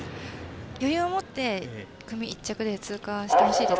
余裕を持って組１着でフィニッシュしてほしいです。